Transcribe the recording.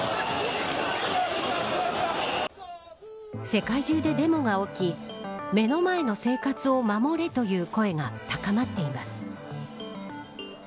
世界中でデモが起き目の前の生活を守れという声が高まっています。